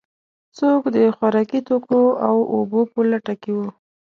څوک د خوراکي توکو او اوبو په لټه کې و.